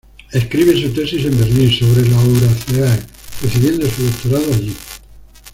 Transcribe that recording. Escribe su tesis en Berlín, sobre Lauraceae, recibiendo su Doctorado allí.